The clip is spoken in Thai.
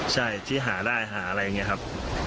ใช่ที่หาได้หาอะไรอย่างนี้ครับ